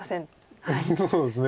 そうですね。